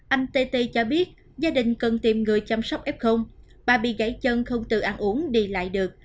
anh tt cho biết gia đình cần tìm người chăm sóc f bà bị gãy chân không tự ăn uống đi lại được